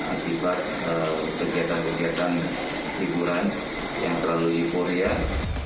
akibat kegiatan kegiatan hiburan yang terlalu euforia